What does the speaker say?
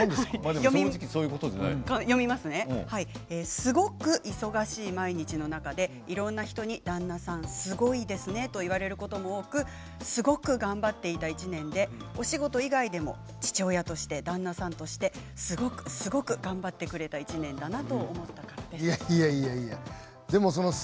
すごく忙しい毎日の中でいろんな人に旦那さんすごいですねと言われることも多くすごく頑張っていた１年でお仕事以外でも父親として旦那さんとしてすごくすごく頑張ってくれた１年だなと思ったからです。